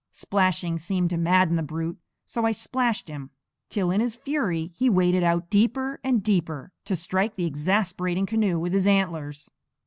Splashing seemed to madden the brute, so I splashed him, till in his fury he waded out deeper and deeper, to strike the exasperating canoe with his antlers.